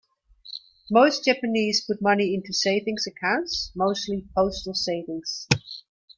Most Japanese put money into savings accounts, mostly postal savings.